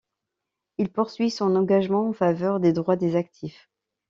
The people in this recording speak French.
Il poursuit son engagement en faveur des droits des actifs.